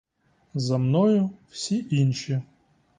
За мною всі інші.